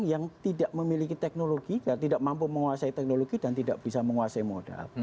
yang tidak memiliki teknologi tidak mampu menguasai teknologi dan tidak bisa menguasai modal